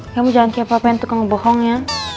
kamu jangan kayak papa yang tukang bohong ya